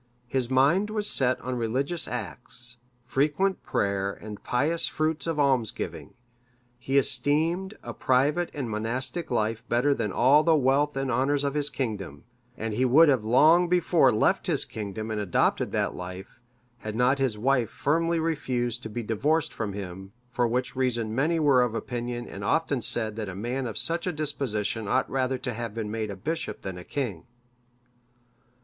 His mind was set on religious acts, frequent prayer and pious fruits of almsgiving; he esteemed a private and monastic life better than all the wealth and honours of his kingdom, and he would have long before left his kingdom and adopted that life, had not his wife firmly refused to be divorced from him; for which reason many were of opinion and often said that a man of such a disposition ought rather to have been made a bishop than a king.